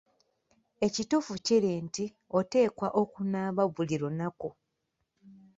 Ekituufu kiri nti oteekwa okunaaba buli lunaku.